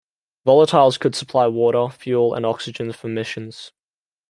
Volatiles could supply water, fuel and oxygen for missions.